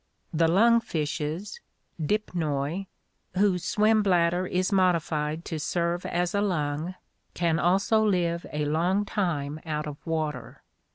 The lung fishes (Dipnoi), whose swim bladder is modified to serve as a lung, can also live a long time out of water.